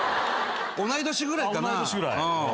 同い年ぐらいかなうん。